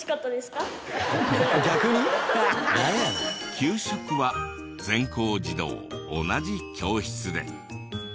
給食は全校児童同じ教室で。